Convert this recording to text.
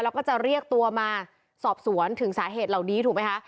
แล้วก็จะเรียกตัวมาสอบสวนถึงสาเหตุเหล่านี้ถูกไหมคะ